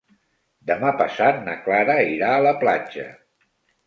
Demà passat na Clara irà a la platja.